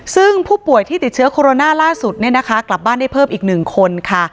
ซึ่งผู้ป่วยที่ติดเชื้อโคโรนาล่าสุดเนี่ยนะคะกลับบ้านได้เพิ่มอีก๑คนค่ะ